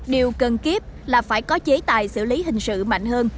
điều cần kiếp là phải có chế tài xử lý hình sự mạnh hơn